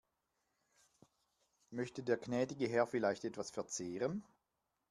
Möchte der gnädige Herr vielleicht etwas verzehren?